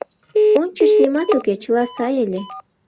Ончыч нимат уке, чыла сай ыле.